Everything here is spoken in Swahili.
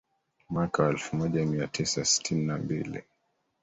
Mwaka wa elfu moja mia tisa sitini na mbili